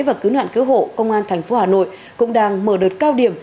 và cứu nạn cứu hộ công an thành phố hà nội cũng đang mở đợt cao điểm